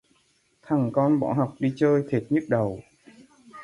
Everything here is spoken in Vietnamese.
Thằng con bỏ học đi chơi, thiệt nhức đầu